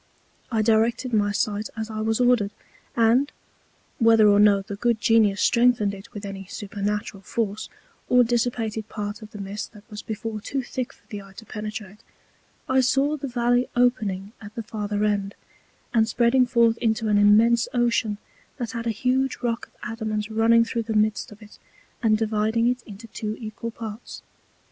I directed my Sight as I was ordered, and (whether or no the good Genius strengthened it with any supernatural Force, or dissipated Part of the Mist that was before too thick for the Eye to penetrate) I saw the Valley opening at the farther End, and spreading forth into an immense Ocean, that had a huge Rock of Adamant running through the Midst of it, and dividing it into two equal parts.